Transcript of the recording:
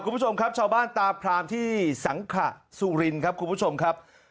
คุณผู้ชมครับชาวบ้านตาพรามที่สังขซูลินครับ